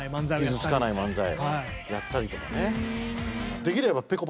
傷つかない漫才やったりとかね。